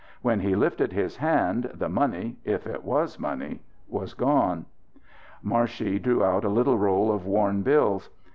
When he lifted his hand the money if it was money was gone. Marshey drew out a little roll of worn bills.